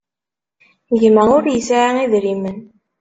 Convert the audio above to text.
Gma ur yesɛi idrimen.